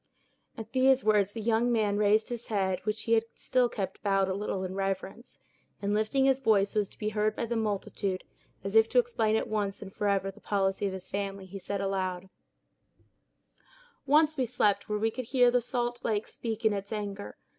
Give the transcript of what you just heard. At these words the young man raised his head, which he had still kept bowed a little, in reverence; and lifting his voice so as to be heard by the multitude, as if to explain at once and forever the policy of his family, he said aloud: "Once we slept where we could hear the salt lake speak in its anger.